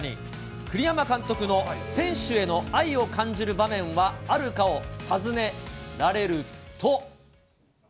栗山監督の選手への愛を感じる場面はあるかを尋ねられると。